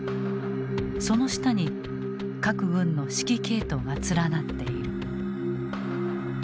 その下に各軍の指揮系統が連なっている。